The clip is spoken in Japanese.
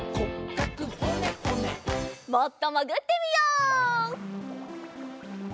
もっともぐってみよう。